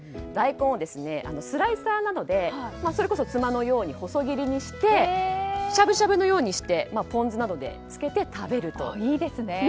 大根をスライサーなどでそれこそ、つまのように細切りにしてしゃぶしゃぶのようにしてポン酢などにつけて食べると。